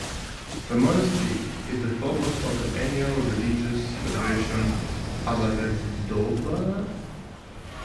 The monastery is the focus of the annual religious celebration Alaverdoba.